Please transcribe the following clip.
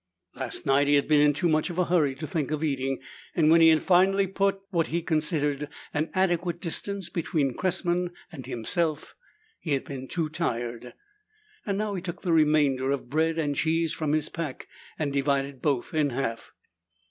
Last night he had been in too much of a hurry to think of eating, and when he had finally put what he considered an adequate distance between Cressman and himself, he had been too tired. Now he took the remainder of bread and cheese from his pack and divided both in half.